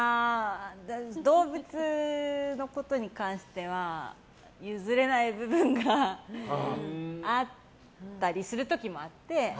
動物のことに関しては譲れない部分があったりする時もあって。